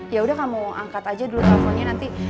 yaudah kamu angkat aja dulu teleponnya nanti